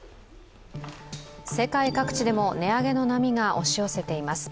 世界各地でも値上げの波が押し寄せています。